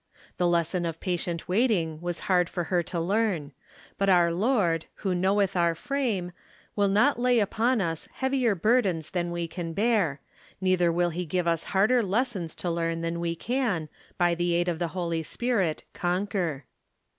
The lesson of patient waiting was hard for her to learn ; but our Lord, who knoweth our frame, will not lay upon us heavier burdens than we can bear, neither will he give us harder lessons to learn than we can, by the aid of the Spirit, conquer.